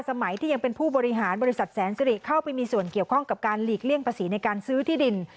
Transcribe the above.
สมัยที่ยังเป็นผู้บริหารบริษัทแสนสิริเข้าไปมีส่วนเกี่ยวข้องกับการหลีกเลี่ยงภาษีในการซื้อที่ดิน